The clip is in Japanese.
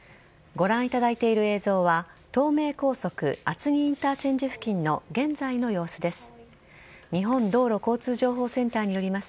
ご覧いただいている映像は、東名高速厚木インターチェンジ付近の現在の様子です。